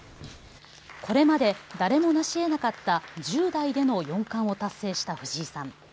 これまで誰もなし得なかった１０代での四冠を達成した藤井さん。